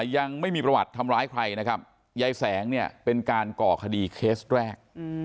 ยังไม่มีประวัติทำร้ายใครนะครับยายแสงเนี่ยเป็นการก่อคดีเคสแรก